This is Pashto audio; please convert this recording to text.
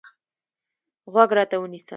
غوږ راته ونیسه.